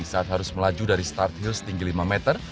saat harus melaju dari start hills tinggi lima meter